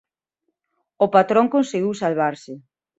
O patrón conseguiu salvarse.